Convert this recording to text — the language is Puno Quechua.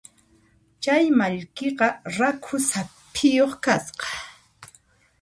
Chay mallkiqa rakhu saphiyuq kasqa.